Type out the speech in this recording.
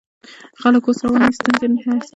خلک اوس رواني ستونزې احساسوي.